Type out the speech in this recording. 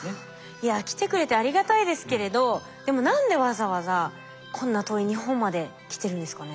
いや来てくれてありがたいですけれどでも何でわざわざこんな遠い日本まで来てるんですかね？